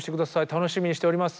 楽しみにしております。